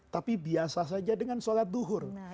tapi biasa saja dengan sholat duhur